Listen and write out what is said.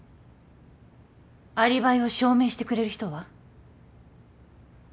アリバイを証明してくれる人は？